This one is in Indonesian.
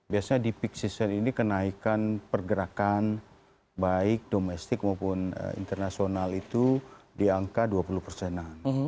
biasanya di peak season ini kenaikan pergerakan baik domestik maupun internasional itu di angka dua puluh persenan